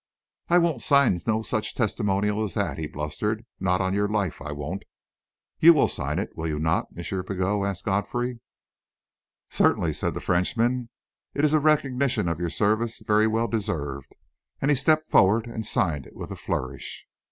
"I won't sign no such testimonial as that," he blustered. "Not on your life I won't!" "You will sign it, will you not, M. Pigot?" asked Godfrey. "Certainly," said the Frenchman; "it is a recognition of your services very well deserved," and he stepped forward and signed it with a flourish.